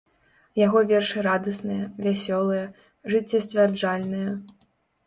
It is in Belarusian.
Яго вершы радасныя, вясёлыя, жыццесцвярджальныя.